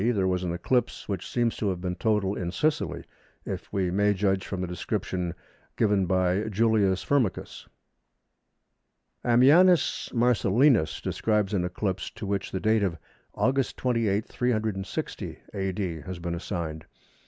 there was an eclipse, which seems to have been total in Sicily, if we may judge from the description given by Julius Firmicus. Ammianus Marcellinus describes an eclipse, to which the date of August 28, 360 A.D., has been assigned.